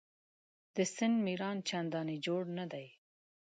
د سیند میران چنداني جوړ نه دي.